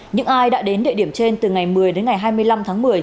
những ai đã đến địa điểm trên từ ngày một mươi đến ngày hai mươi năm tháng một mươi